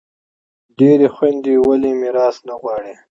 ډیری خویندي ولي میراث نه غواړي؟